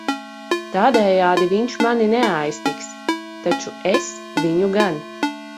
Tādejādi viņš mani neaiztiks, taču es viņu gan.